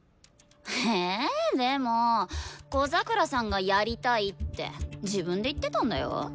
えでも小桜さんがやりたいって自分で言ってたんだよ。